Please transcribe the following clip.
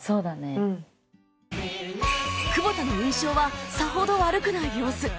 久保田の印象はさほど悪くない様子